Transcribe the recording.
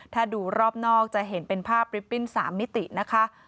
ถ้าดูรอบนอกจะเห็นเป็นภาพลิปปิ้น๓มิตินะคะ